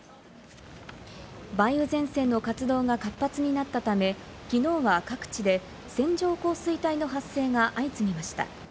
梅雨前線の活動が活発になったため、きのうは各地で線状降水帯の発生が相次ぎました。